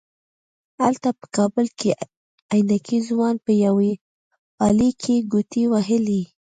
هلته په کابل کې عينکي ځوان په يوې آلې کې ګوتې وهلې.